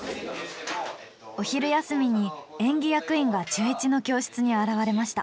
お昼休みに演技役員が中１の教室に現れました。